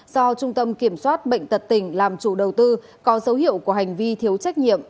do trung tâm kiểm soát bệnh tật tỉnh làm chủ đầu tư có dấu hiệu của hành vi thiếu trách nhiệm